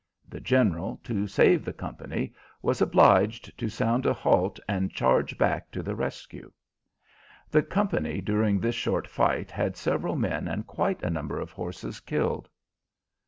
The General, to save the company, was obliged to sound a halt and charge back to the rescue. The company during this short fight had several men and quite a number of horses killed.